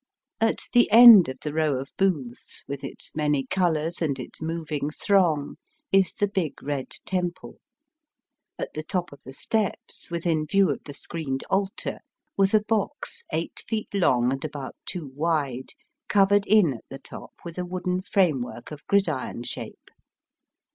At the end of the row of booths, with its many colours and its moving throng, is the big red temple. At the top of the steps, within view of the screened altar, was a box eight feet long and about two wide, covered in at the top with a wooden framework of gridiron shape.